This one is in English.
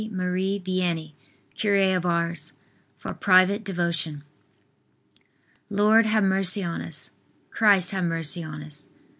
Marie Vianney. CURE OF ARS. (FOR PRIVATE DEVOTION.) Lord, have mercy on us. Christ, have mercy on us.